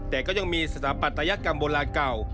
แต่ก็ยังมีสถาปัตยกรรมโบราณเก่า